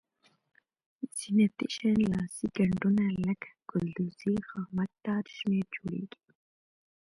زینتي شیان لاسي ګنډونه لکه ګلدوزي خامک تار شمېر جوړیږي.